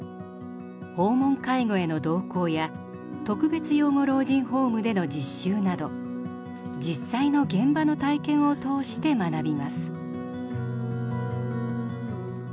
訪問介護への同行や特別養護老人ホームでの実習など実際の現場の体験を通して学びます。